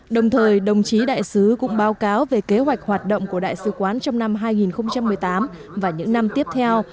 đồng thời đồng chí đại sứ cũng báo cáo về kế hoạch hoạt động của đại sứ quán trong năm hai nghìn một mươi tám và những năm tiếp theo